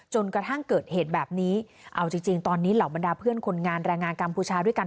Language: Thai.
จนกระทั่งเกิดเหตุแบบนี้เอาจริงตอนนี้เหล่าบรรดาเพื่อนคนงานแรงงานกัมพูชาด้วยกัน